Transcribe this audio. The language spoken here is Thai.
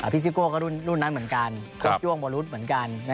พิซิโก้ก็รุ่นนั้นเหมือนกัน